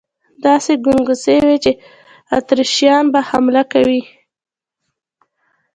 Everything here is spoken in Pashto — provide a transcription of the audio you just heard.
داسې ګنګوسې وې چې اتریشیان به حمله کوي.